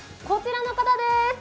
こちらの方です。